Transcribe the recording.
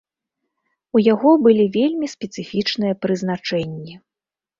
У яго былі вельмі спецыфічныя прызначэнні.